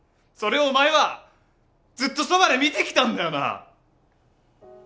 それをお前はずっとそばで見てきたんだよな？